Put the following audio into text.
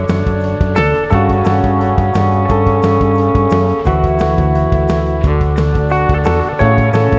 todoy begitu pikirkan orang dulu